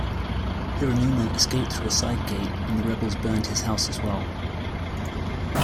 Hiranuma escaped through a side gate and the rebels burned his house as well.